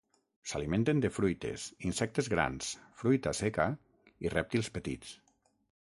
S'alimenten de fruites, insectes grans, fruita seca i rèptils petits.